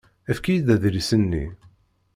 Efk-iyi-d adlis-nni.